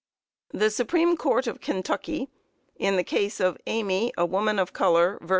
The Supreme Court of Kentucky, in the case of _Amy, a woman of color, vs.